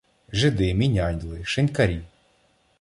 Жиди, міняйли, шинькарі.